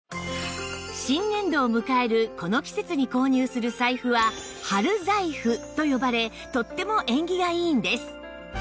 新年度を迎えるこの季節に購入する財布は「はる財布」と呼ばれとっても縁起がいいんです